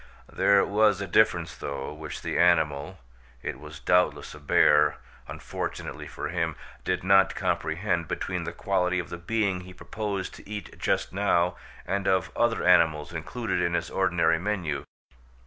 There was a difference, though, which the animal, it was doubtless a bear unfortunately for him, did not comprehend, between the quality of the being he proposed to eat just now and of other animals included in his ordinary menu.